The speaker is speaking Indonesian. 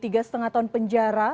tiga setengah tahun penjara